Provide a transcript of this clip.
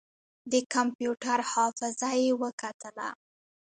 د کمپيوټر حافظه يې وکتله.